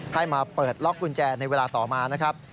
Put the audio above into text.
ให้มาเปิดล็อกกุญแจในเวลาต่อมานะครับ